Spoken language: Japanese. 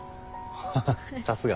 ハハッさすが。